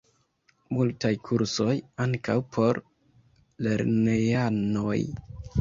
Multaj kursoj, ankaŭ por lernejanoj.